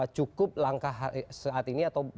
cukup langkah saat ini atau